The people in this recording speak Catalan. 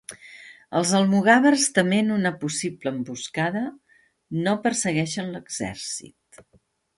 Els almogàvers tement una possible emboscada no persegueixen l'exèrcit.